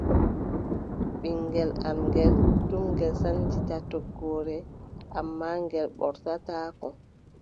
Ɓiŋngel am ngeel, tum ngel sannjita toggooje, ammaa ngel ɓortataako.